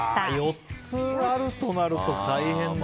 ４つあるとなると大変だ。